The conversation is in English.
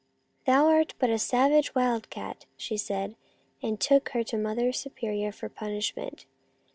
" c Thou art but a savage wildcat,* she said, and took her to Mother Superior for punish ment.